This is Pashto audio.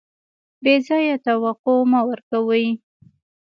بې ځایه توقع مه ورکوئ.